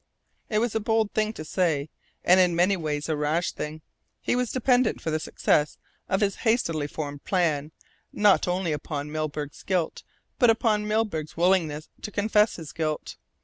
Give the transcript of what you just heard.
It was a bold thing to say, and in many ways a rash thing. He was dependent for the success of his hastily formed plan, not only upon Milburgh's guilt, but upon Milburgh's willingness to confess his guilt.